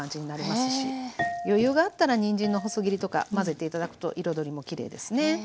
余裕があったらにんじんの細切りとか混ぜて頂くと彩りもきれいですね。